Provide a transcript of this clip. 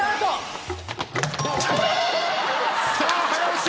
さあ早押し。